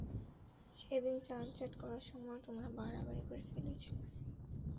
সেদিন প্লানচেট করার সময়ও তোমরা বাড়াবাড়ি করে ফেলেছিলে।